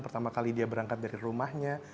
pertama kali dia berangkat dari rumahnya